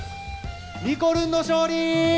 にこるんの勝利。